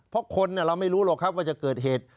เพราะคนเราไม่รู้หรอกครับว่าจะเกิดเหตุ